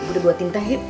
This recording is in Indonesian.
udah buatin tehit